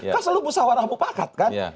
kan selalu pusawarah pupakat kan